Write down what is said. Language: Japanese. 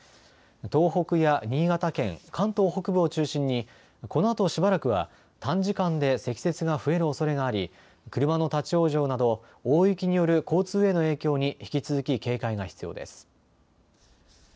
東北や新潟県、関東北部を中心にこのあとしばらくは短時間で積雪が増えるおそれがあり車の立往生など大雪による交通への影響に引き続き警戒が必要です。